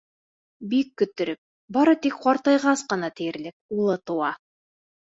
Бик көттөрөп, бары тик ҡартайғас ҡына тиерлек, улы тыуа!